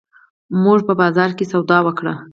مونږه په بازار کښې سودا وکړه